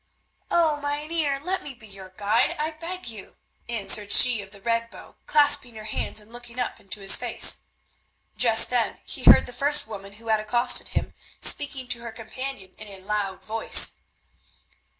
"Oh! Mynheer, let me be your guide, I beg you," answered she of the red bow clasping her hands and looking up into his face. Just then he heard the first woman who had accosted him speaking to her companion in a loud voice.